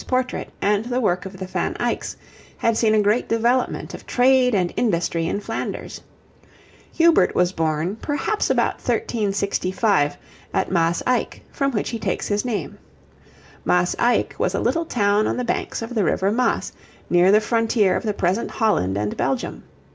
's portrait and the work of the Van Eycks, had seen a great development of trade and industry in Flanders. Hubert was born, perhaps about 1365, at Maas Eyck, from which he takes his name. Maas Eyck was a little town on the banks of the river Maas, near the frontier of the present Holland and Belgium.